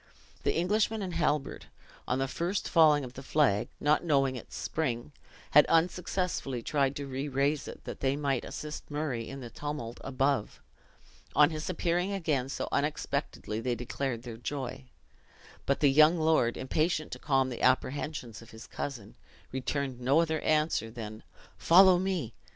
The Englishman and Halbert, on the first falling of the flag, not knowing its spring, had unsuccessfully tried to re raise it, that they might assist Murray in the tumult above. On his appearing again so unexpectedly, they declared their joy; but the young lord, impatient to calm the apprehensions of his cousin, returned no other answer than "Follow me!"